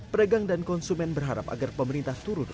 pedagang dan konsumen berharap agar pemerintah turun